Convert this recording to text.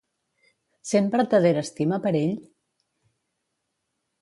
Sent vertadera estima per ell?